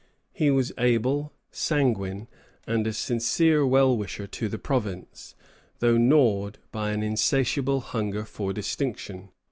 He was able, sanguine, and a sincere well wisher to the province, though gnawed by an insatiable hunger for distinction.